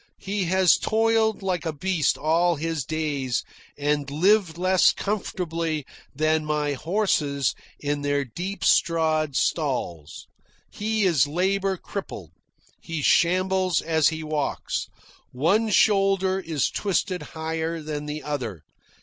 He has toiled like a beast all his days, and lived less comfortably than my horses in their deep strawed stalls. He is labour crippled. He shambles as he walks. One shoulder is twisted higher than the other.